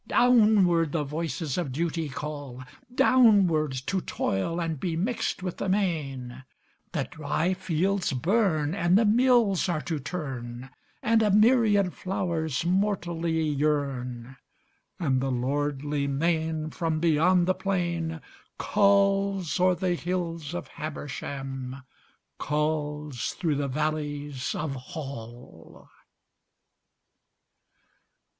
Downward the voices of Duty call Downward, to toil and be mixed with the main, The dry fields burn, and the mills are to turn, And a myriad flowers mortally yearn, And the lordly main from beyond the plain Calls o'er the hills of Habersham, Calls through the valleys of Hall.